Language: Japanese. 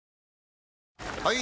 ・はい！